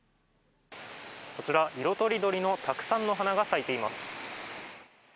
こちら、色とりどりのたくさんの花が咲いています。